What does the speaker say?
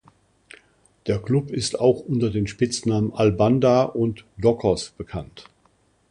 Der Klub ist auch unter den Spitznamen "Al Bandar" und "Dockers" bekannt.